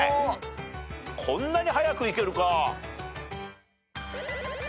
こんなに早くいけるか。